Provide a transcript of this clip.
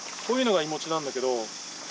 こういうのがいもちなんだけど。